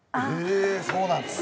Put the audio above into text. えそうなんですね。